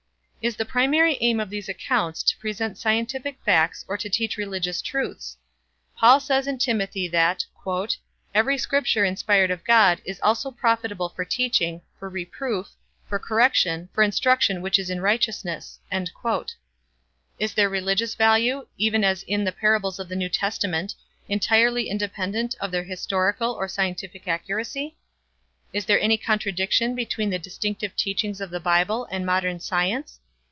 Is the primary aim of these accounts to present scientific facts or to teach religious truths? Paul says in Timothy that "Every scripture inspired of God is also profitable for teaching, for reproof, for correction, for instruction which is in righteousness." Is their religious value, even as in the parables of the New Testament, entirely independent of their historical or scientific accuracy? Is there any contradiction between the distinctive teachings of the Bible and modern science?